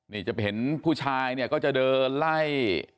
นี่จะเห็นผู้ชายเนี่ยก็จะเดินไล่